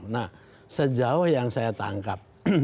nah sejauh yang saya tangkap